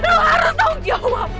lo harus tahu ngejawab